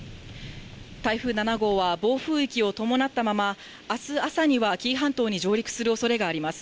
台風７号は、暴風域を伴ったまま、あす朝には紀伊半島に上陸するおそれがあります。